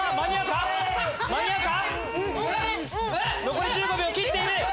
残り１５秒切っている！